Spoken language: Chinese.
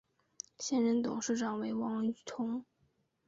现任董事长为王炯。